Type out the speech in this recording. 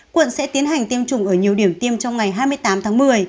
quận sẽ tiến hành tiêm chủng ở nhiều điểm tiêm trong ngày hai mươi tám tháng một mươi